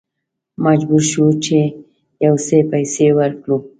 مجبور شوو چې یو څه پیسې ورکړو.